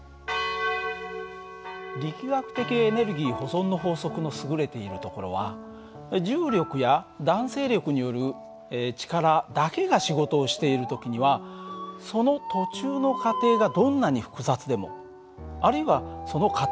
力学的エネルギー保存の法則の優れているところは重力や弾性力による力だけが仕事をしている時にはその途中の過程がどんなに複雑でもあるいはその過程